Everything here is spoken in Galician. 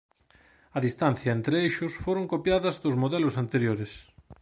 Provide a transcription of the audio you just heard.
A distancia entre eixos foron copiadas dos modelos anteriores.